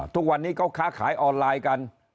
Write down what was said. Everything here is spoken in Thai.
ทุกวันนี้เขาค้าขายออนไลน์กัน